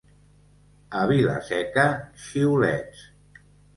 A Vila-seca, xiulets.